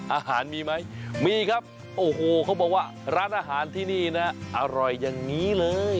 อาหารมีไหมมีครับโอ้โหเขาบอกว่าร้านอาหารที่นี่นะอร่อยอย่างนี้เลย